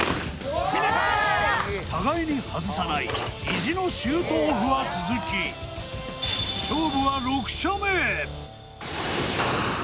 互いに外さない意地のシュートオフは続き勝負は６射目。